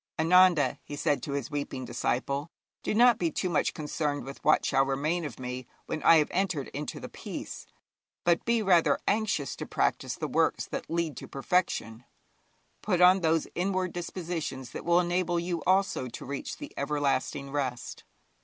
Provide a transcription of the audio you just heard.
'Ananda,' he said to his weeping disciple, 'do not be too much concerned with what shall remain of me when I have entered into the Peace, but be rather anxious to practise the works that lead to perfection; put on those inward dispositions that will enable you also to reach the everlasting rest.'